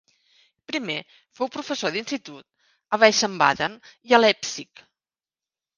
Primer fou professor d'institut a Wiesbaden i a Leipzig.